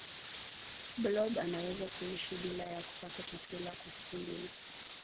blob anaweza kuishi bila ya kupata chakula kwa siku mbili